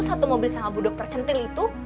satu mobil sama bu dokter centil itu